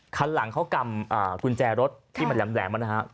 คันหลังเขากำกุญแจรถที่มันแหลมนะฮะ